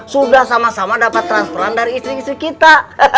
sudah sama sama dapat transferan dari istri istri kita